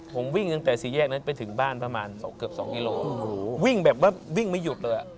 ผมวิ่งตั้งแต่สี่แยกนั้นไปถึงบ้านประมาณเกือบสองกิโลวิ่งแบบว่าวิ่งไม่หยุดเลยอ่ะ